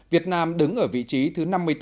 việt nam đứng ở vị trí thứ năm mươi bốn